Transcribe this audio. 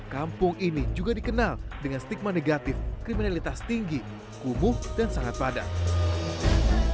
kampung ini juga dikenal dengan stigma negatif kriminalitas tinggi kumuh dan sangat padat